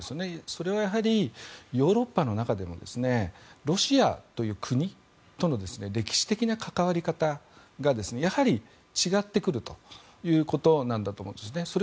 それはヨーロッパの中でもロシアという国との歴史的な関わり方がやはり、違ってくるということなんだと思うんですね。